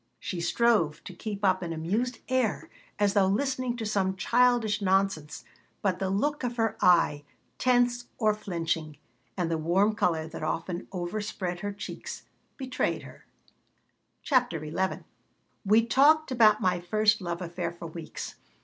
She strove to keep up an amused air, as though listening to some childish nonsense, but the look of her eye, tense or flinching, and the warm color that often overspread her cheeks, betrayed her CHAPTER XI WE talked about my first love affair for weeks.